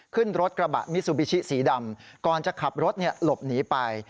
ขึ้นรถกระบะมิซูบิชิสีดำก่อนจะขับรถหลบหนีไป